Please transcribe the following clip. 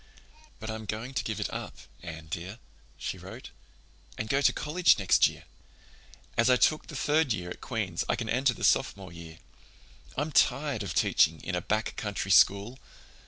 "But I'm going to give it up, Anne dear," she wrote, "and go to college next year. As I took the third year at Queen's I can enter the Sophomore year. I'm tired of teaching in a back country school.